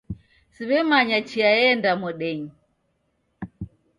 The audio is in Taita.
Siw'emanya chia eenda modenyi